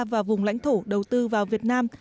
và vùng lãnh thổ đầu tư vào việt nam